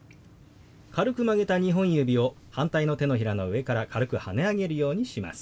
軽く曲げた２本指を反対の手のひらの上から軽くはね上げるようにします。